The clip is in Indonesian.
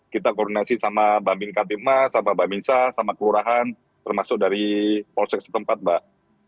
kita koordinasi sama bambin katima sama bambin shah sama kelurahan termasuk dari polsek setempat mbak